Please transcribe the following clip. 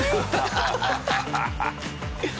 ハハハハ！